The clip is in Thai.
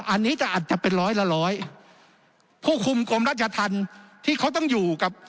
อันนี้จะอาจจะเป็นร้อยละร้อยผู้คุมกรมราชธรรมที่เขาต้องอยู่กับ